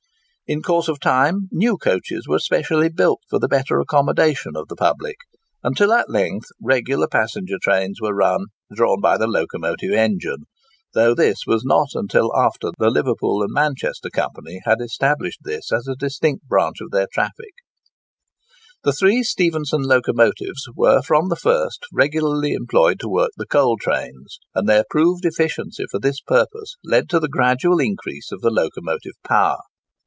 In course of time new coaches were specially built for the better accommodation of the public, until at length regular passenger trains were run, drawn by the locomotive engine,—though this was not until after the Liverpool and Manchester Company had established this as a distinct branch of their traffic. [Picture: The No. I. Engine at Darlington] The three Stephenson locomotives were from the first regularly employed to work the coal trains; and their proved efficiency for this purpose led to the gradual increase of the locomotive power.